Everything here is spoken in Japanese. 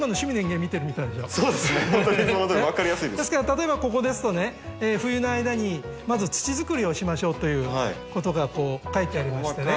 例えばここですとね冬の間にまず土作りをしましょうということが書いてありましてね。